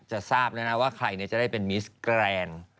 ทราบแล้วนะว่าใครจะได้เป็นมิสแกรนด์